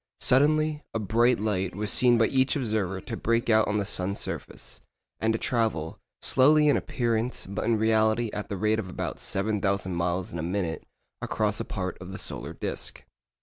Suddenly a bright light was seen by each observer to break out on the sun's surface, and to travel, slowly in appearance, but in reality at the rate of about 7,000 miles in a minute, across a part of the solar disc.